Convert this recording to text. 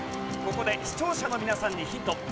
ここで視聴者の皆さんにヒント。